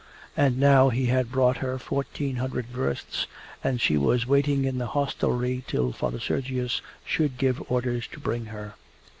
And now he had brought her fourteen hundred versts and she was waiting in the hostelry till Father Sergius should give orders to bring her.